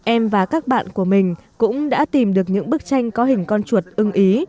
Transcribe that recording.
em và các bạn của mình cũng đã tìm được những bức tranh có hình con chuột ưng ý